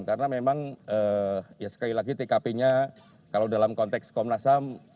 karena memang sekali lagi tkp nya kalau dalam konteks komnas ham